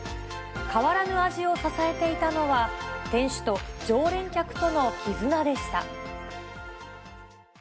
変わらぬ味を支えていたのは、店主と常連客との絆でした。